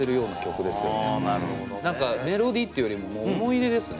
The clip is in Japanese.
何かメロディーっていうよりももう思い出ですね